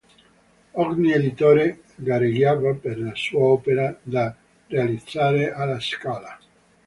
Ogni editore gareggiava per la sua opera da realizzare a La Scala.